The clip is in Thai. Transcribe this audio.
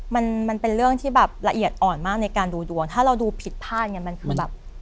มันมันเป็นเรื่องที่แบบละเอียดอ่อนมากในการดูดวงถ้าเราดูผิดพลาดไงมันคือแบบ